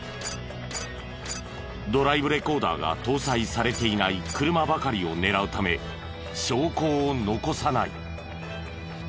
ドライブレコーダーが搭載されていない車ばかりを狙うため証拠を残さない。